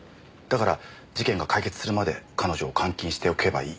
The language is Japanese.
だから事件が解決するまで彼女を監禁しておけばいい。